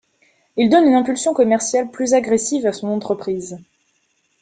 Il donne une impulsion commerciale plus agressive à son entreprise.